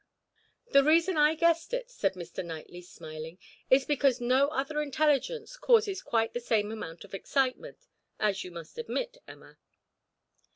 "The reason I guessed it," said Mr. Knightley, smiling, "is because no other intelligence causes quite the same amount of excitement, as you must admit, Emma.